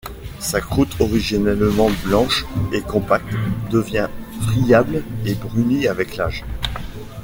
Sa croûte, originellement blanche et compacte, devient friable et brunit avec l'âge.